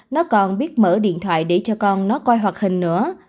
nó còn biết mở điện thoại để cho con nó quay hoạt hình nữa